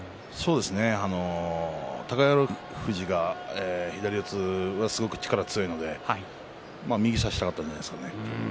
そうですね、宝富士は左四つは、すごく力が強いので右を差したかったんじゃないですかね。